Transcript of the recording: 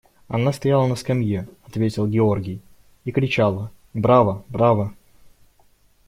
– Она стояла на скамье, – ответил Георгий, – и кричала: «Браво, браво!»